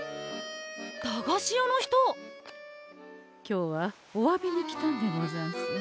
今日はおわびに来たんでござんす。